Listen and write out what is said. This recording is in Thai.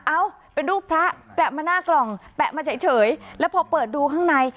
เอ้าเป็นรูปพระแปะมาหน้ากล่องแปะมาเฉยแล้วพอเปิดดูข้างใน